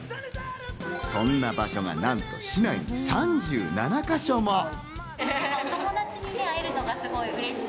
そんな場所がなんと市内３７か所も。